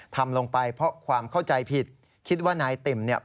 ทำลงไปเพราะความเข้าใจผิดคิดว่านายติ่มเนี่ย